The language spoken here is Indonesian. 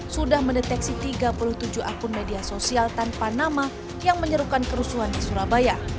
sudah mendeteksi tiga puluh tujuh akun media sosial tanpa nama yang menyerukan kerusuhan di surabaya